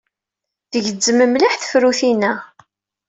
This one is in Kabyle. Tgezzem mliḥ tefrut-inna.